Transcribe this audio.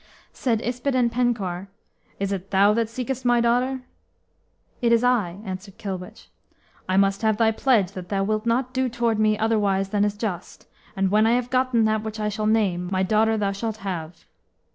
Said Yspadaden Penkawr, "Is it thou that seekest my daughter?" "It is I," answered Kilwich. "I must have thy pledge that thou wilt not do toward me otherwise than is just; and when I have gotten that which I shall name, my daughter thou shalt have."